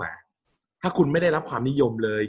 กับการสตรีมเมอร์หรือการทำอะไรอย่างเงี้ย